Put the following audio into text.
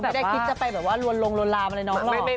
ไม่ได้คิดจะไปแบบว่าลวนลงลวนลามอะไรเนาะ